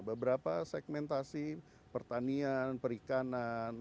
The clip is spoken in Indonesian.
beberapa segmentasi pertanian perikanan